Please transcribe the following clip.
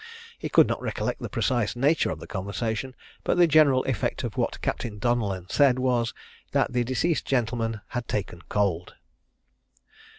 He could not recollect the precise nature of the conversation, but the general effect of what Captain Donellan said was, that the deceased gentleman had taken cold.